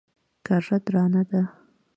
کږه درانه ده.